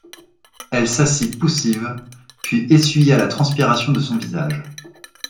Elle s'assit poussive, puis essuya la transpiration de son visage.